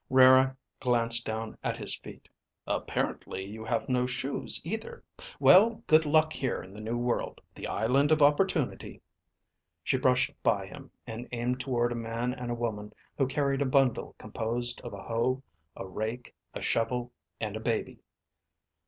Rara glanced down at his feet. "Apparently you have no shoes either. Well, good luck here in the New World, the Island of Opportunity." She brushed by him and aimed toward a man and woman who carried a bundle composed of a hoe, a rake, a shovel, and a baby.